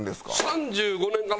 ３５年かな。